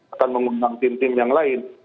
akan mengundang tim tim yang lain